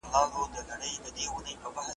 هغه ښارته چي په خوب کي دي لیدلی .